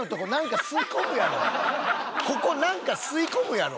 ここなんか吸い込むやろ。